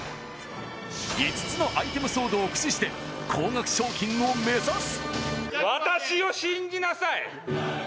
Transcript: ５つのアイテムソードを駆使して高額賞金を目指す！